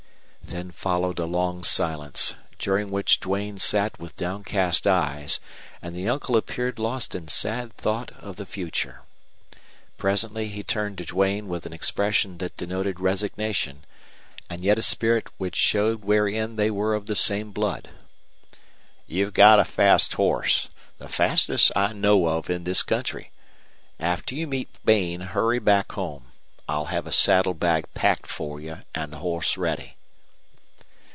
Then followed a long silence, during which Duane sat with downcast eyes, and the uncle appeared lost in sad thought of the future. Presently he turned to Duane with an expression that denoted resignation, and yet a spirit which showed wherein they were of the same blood. "You've got a fast horse the fastest I know of in this country. After you meet Bain hurry back home. I'll have a saddle bag packed for you and the horse ready."